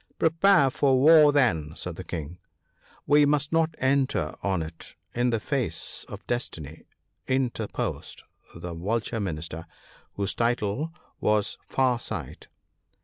" Prepare for war, then !" said the King. " We must not enter on it in the face of destiny," interposed the Vulture Minister, whose title was " Far sight."